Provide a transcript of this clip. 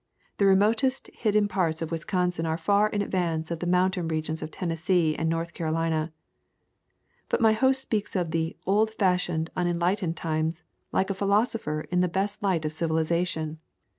The remotest hidden parts of Wisconsin are far in advance of the mountain regions of Tennessee and North Carolina. But my host speaks of the "old fashioned unenlightened times," like a phi losopher in the best light of civilization.